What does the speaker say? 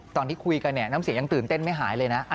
ตอนที่คุยกันเนี่ยน้ำเสียงยังตื่นเต้นไม่หายเลยนะ